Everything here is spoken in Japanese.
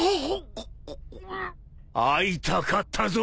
会いたかったぞ。